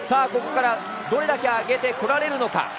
ここからどれだけ上げてこられるのか。